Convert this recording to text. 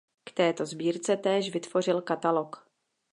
K této sbírce též vytvořil katalog.